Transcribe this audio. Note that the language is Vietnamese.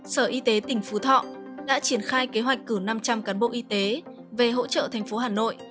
sở y tế tỉnh phú thọ đã triển khai kế hoạch cử năm trăm linh cán bộ y tế về hỗ trợ thành phố hà nội